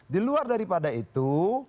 di luar daripada itu